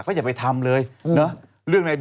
ก็อย่าไปทำเลย